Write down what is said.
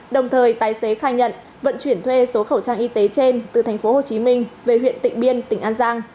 đồng thời tài xế khai nhận vận chuyển thuê số khẩu trang y tế trên từ tp hcm về huyện tỉnh biên tỉnh an giang